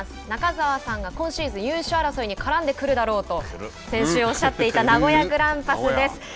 中澤さんが、今シーズン優勝争いに絡んでくるだろうと先週おっしゃっていた名古屋グランパスです。